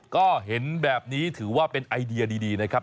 ก็เห็นแบบนี้ถือว่าเป็นไอเดียดีนะครับ